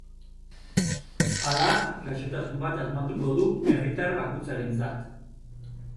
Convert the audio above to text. Hala, gaixotasun bat asmatuko du herritar bakoitzarentzat.